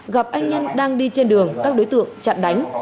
gặp anh nhân đang đi trên đường các đối tượng chặn đánh